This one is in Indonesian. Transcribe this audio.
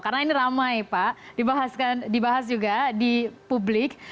karena ini ramai pak dibahas juga di publik